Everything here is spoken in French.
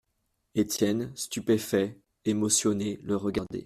Étienne, stupéfait, émotionné, le regardait.